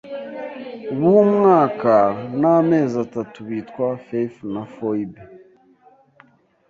b’umwaka n’amezi atatu bitwa Faith na Foibe.